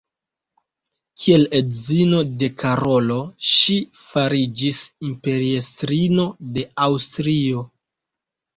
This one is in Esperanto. Kiel edzino de Karolo ŝi fariĝis imperiestrino de Aŭstrio.